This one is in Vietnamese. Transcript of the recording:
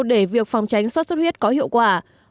để việc phòng tránh sốt xuất huyết có hiệu quả